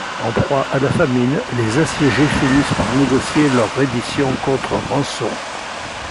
En proie à la famine, les assiégés finissent par négocier leur reddition contre rançon.